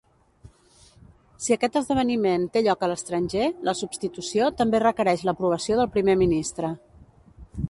Si aquest esdeveniment té lloc a l'estranger, la substitució també requereix l'aprovació del primer ministre.